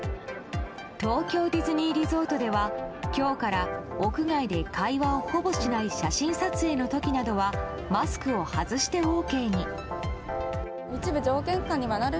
東京ディズニーリゾートでは今日から屋外で会話をほぼしない写真撮影の時などはマスクを外してＯＫに。